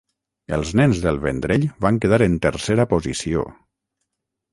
Els Nens del Vendrell van quedar en tercera posició.